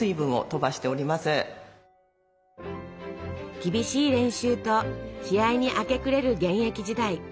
厳しい練習と試合に明け暮れる現役時代。